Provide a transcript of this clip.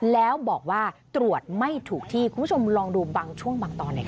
แล้วบอกว่าตรวจไม่ถูกที่คุณผู้ชมลองดูบางช่วงบางตอนหน่อยค่ะ